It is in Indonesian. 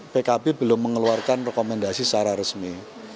pkb belum mengeluarkan rekomendasi secara resmi